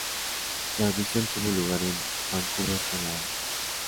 La audición tuvo lugar en Vancouver, Canadá.